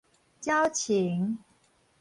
蔦松